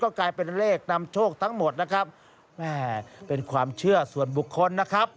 กลายเป็นเลขนำโชคทั้งหมดนะครับแม่เป็นความเชื่อส่วนบุคคลนะครับ